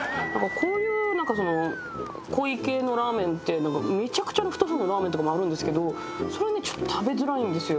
こういうなんか濃い系のラーメンってめちゃくちゃな太さのラーメンとかもあるんですけどそれねちょっと食べづらいんですよ。